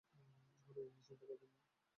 আমার ব্যাপারে চিন্তা করবেন না।